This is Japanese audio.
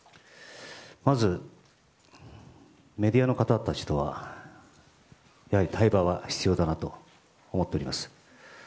まずメディアの方たちとはやはり対話は必要だなと思っております。